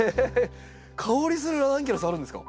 香りするラナンキュラスあるんですか？